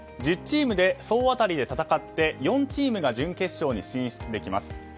１０チームで総当たりで戦って４チームが準決勝に進出できます。